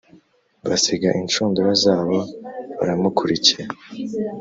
Basiga inshundura zabo baramukurikira